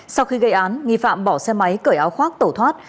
sau khi gây án nghi phạm bỏ xe máy cởi áo khoác tẩu thoát